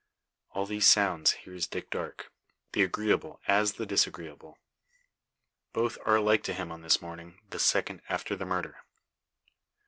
All these sounds hears Dick Darke, the agreeable as the disagreeable. Both are alike to him on this morning, the second after the murder.